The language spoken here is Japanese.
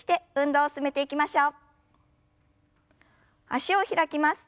脚を開きます。